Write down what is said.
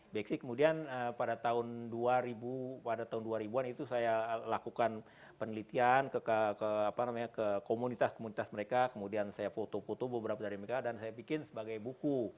beksi kemudian pada tahun dua ribu pada tahun dua ribu an itu saya lakukan penelitian ke komunitas komunitas mereka kemudian saya foto foto beberapa dari mereka dan saya bikin sebagai buku